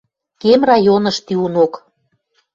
Кем районыш тиунок.